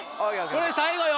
これで最後よ。